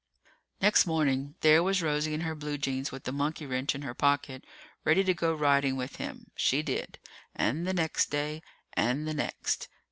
Next morning, there was Rosie in her blue jeans with a monkey wrench in her pocket, ready to go riding with him. She did. And the next day. And the next.